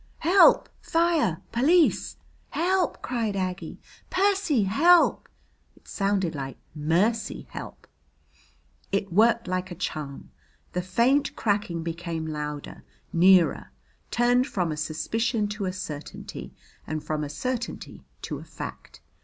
"Help! Fire! Police!" "Help!" cried Aggie. "Percy, help!" It sounded like "Mercy, help!" It worked like a charm. The faint cracking became louder, nearer, turned from a suspicion to a certainty and from a certainty to a fact.